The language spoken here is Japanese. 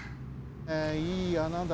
いい穴だ。